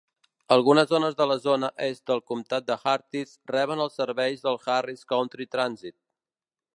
Algunes zones de la zona est del comtat de Hartis reben els serveis del Harris County Transit.